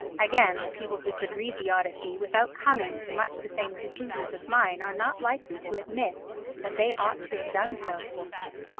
Again, the people who could read the Odyssey without coming to much the same conclusions as mine are not likely to admit that they ought to have done so.